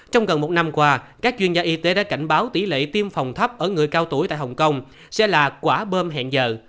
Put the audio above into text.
trong gần một năm qua các chuyên gia y tế đã cảnh báo tỷ lệ tiêm phòng thấp ở người cao tuổi tại hồng kông sẽ là quả bơm hẹn giờ